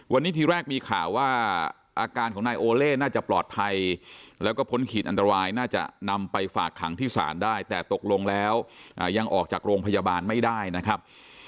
วันนี้ทีแรกมีข่าวว่าอาการของนายโอเล่น่าจะปลอดภัยแล้วก็พ้นขีดอันตรายน่าจะนำไปฝากขังที่ศาลได้แต่ตกลงแล้วยังออกจากโรงพยาบาลไม่ได้นะครับ